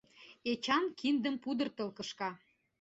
Эчан киндым пудыртыл кышка.